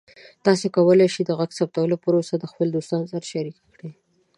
تاسو کولی شئ د غږ ثبتولو پروسه د خپلو دوستانو سره شریکه کړئ.